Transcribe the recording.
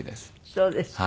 そうですか。